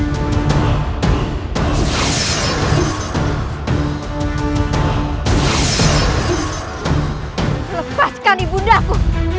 jangan sampai kau menyesal sudah menentangku